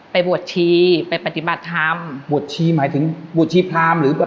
ไปบวชชีไปปฏิบัติธรรมบวชชีหมายถึงบวชชีพรามหรือแบบ